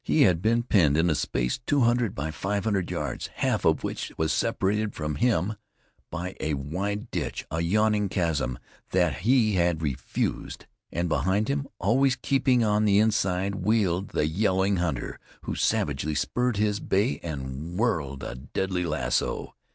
He had been penned in a space two hundred by five hundred yards, half of which was separated from him by a wide ditch, a yawning chasm that he had refused, and behind him, always keeping on the inside, wheeled the yelling hunter, who savagely spurred his bay and whirled a deadly lasso.